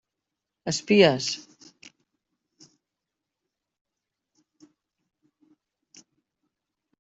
Espies!